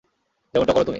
যেমনটা করো তুমি।